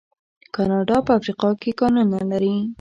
کاناډا په افریقا کې کانونه لري.